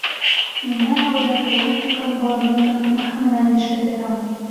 Минән алда тыуып үлгән баланың танытмаһы менән йәшәп ятам.